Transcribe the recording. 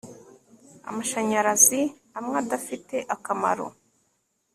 Amashanyarazi amwe adafite akamaro